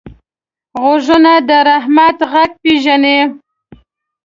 غوږونه د رحمت غږ پېژني